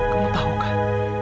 kamu tahu kan